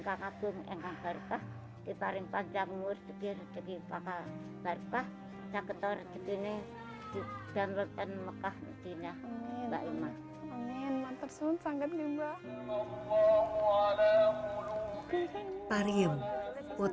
poevert seorang perempuan dengan pendirian teguh dan dekat yang kuat